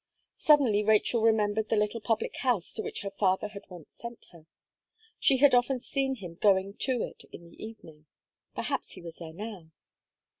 Suddenly Rachel remembered the little public house to which her father had once sent her. She had often seen him going to it in the evening; perhaps he was there now.